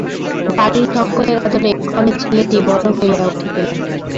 বাড়ির সকলের আদরে ক্রমে ছেলেটি বড়ো হইয়া উঠিতে লাগিল।